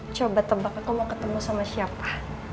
coba tebak aku mau ketemu sama siapa